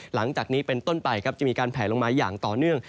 หลังจากนี้เป็นต้นไปครับจะมีการแผลลงมาอย่างต่อเนื่อง